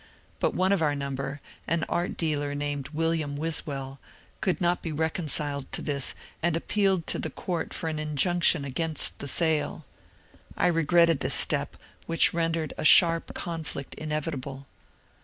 But one of our number, an art dealer named William Wiswell, could not be reconciled to thb and appealed to the court for an injunction against the sale. I re gretted this step, which rendered a sharp conflict inevitable.